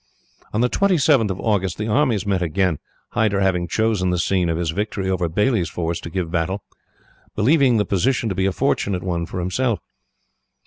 "On the 27th of August the armies met again, Hyder having chosen the scene of his victory over Baillie's force to give battle, believing the position to be a fortunate one for himself.